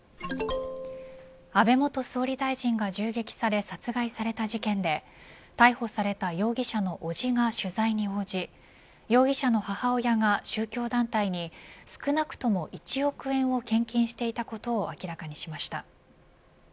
安倍元総理大臣が銃撃され殺害された事件で逮捕された容疑者のおじが取材に応じ容疑者の母親が、宗教団体に少なくとも１億円を献金していたことを明らかにしました。